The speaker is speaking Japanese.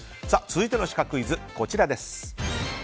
続いてのシカクイズはこちら。